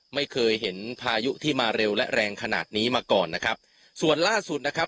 ไม่เคยเห็นพายุที่มาเร็วและแรงขนาดนี้มาก่อนนะครับส่วนล่าสุดนะครับ